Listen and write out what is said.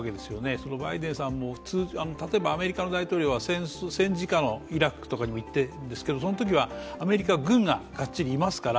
そのバイデンさんも、例えばアメリカの大統領は戦時下のイラクとかに行ってるんですけどそのときはアメリカ軍がいますから。